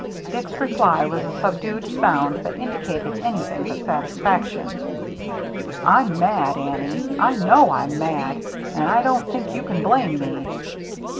Dick's reply was a subdued sound that indicated anything but satisfaction. "I'm mad, Annie, — I know I'm mad — and I don't think you can blame me."